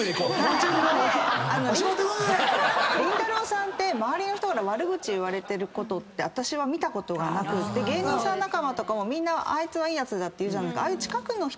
さんって周りの人から悪口言われてることって私は見たことがなくて芸人さん仲間とかもみんな「あいつはいいやつだ」って言う。